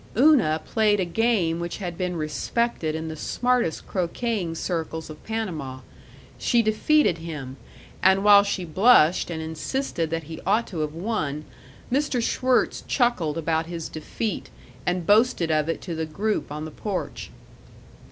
Una played a game which had been respected in the smartest croqueting circles of Panama; she defeated him; and while she blushed and insisted that he ought to have won, Mr. Schwirtz chuckled about his defeat and boasted of it to the group on the porch.